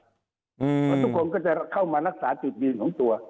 ทุกคนก็จะเข้ามารักษาจุดวิ่งของตัว